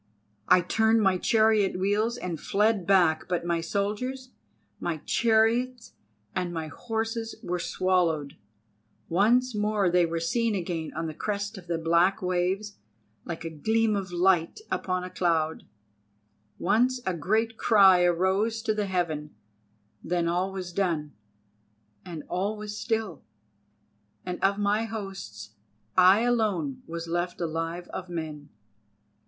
I turned my chariot wheels, and fled back, but my soldiers, my chariots, and my horses were swallowed; once more they were seen again on the crest of the black waves like a gleam of light upon a cloud, once a great cry arose to the heaven; then all was done and all was still, and of my hosts I alone was left alive of men."